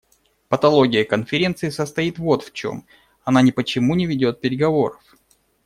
Патология Конференции состоит вот в чем: она ни по чему не ведет переговоров.